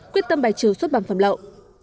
quyết tâm bài trừ xuất bản phẩm lậu